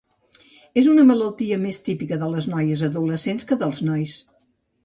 És una malaltia més típica de les noies adolescents que dels nois.